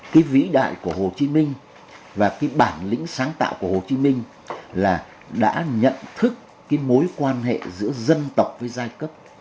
cái vĩ đại của hồ chí minh và cái bản lĩnh sáng tạo của hồ chí minh là đã nhận thức cái mối quan hệ giữa dân tộc với giai cấp